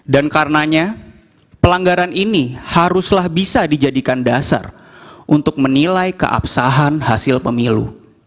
dan karenanya pelanggaran ini haruslah bisa dijadikan dasar untuk menilai keabsahan hasil pemilu